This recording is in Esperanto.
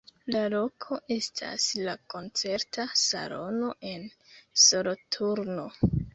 La loko estas la koncerta salono en Soloturno.